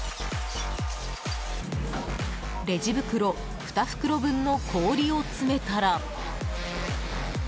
レジ袋２袋分の氷を詰めたら。